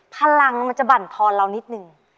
พลังมันจะบั่นทอนเรานิดนึง